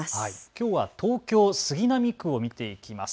きょうは東京杉並区を見ていきます。